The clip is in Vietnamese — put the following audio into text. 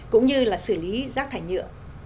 cũng như là xử lý rác thải nhựa